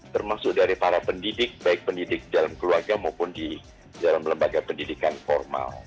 termasuk dari para pendidik baik pendidik dalam keluarga maupun di dalam lembaga pendidikan formal